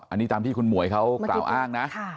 อันนี้ตามที่คุณหมวยเขากล่าวอ้างนะ